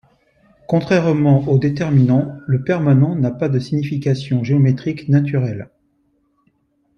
Contrairement au déterminant, le permanent n'a pas de signification géométrique naturelle.